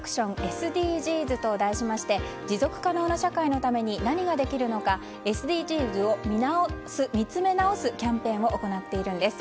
ＳＤＧｓと題しまして持続可能な社会のために何ができるのかＳＤＧｓを見つめ直すキャンペーンを行っています。